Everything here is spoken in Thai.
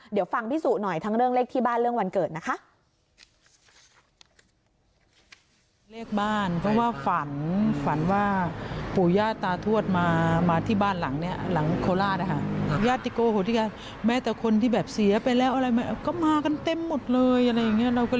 เดี๋ยวฟังพี่สุหน่อยทั้งเรื่องเลขที่บ้านเรื่องวันเกิดนะคะ